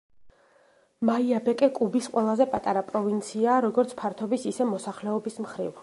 მაიაბეკე კუბის ყველაზე პატარა პროვინციაა, როგორც ფართობის, ისე მოსახლეობის მხრივ.